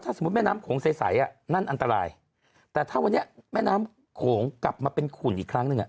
สมมุติแม่น้ำโขงใสอ่ะนั่นอันตรายแต่ถ้าวันนี้แม่น้ำโขงกลับมาเป็นขุ่นอีกครั้งหนึ่งอ่ะ